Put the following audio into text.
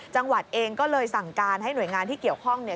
จังหวัดเองก็เลยสั่งการให้หน่วยงานที่เกี่ยวข้องเนี่ย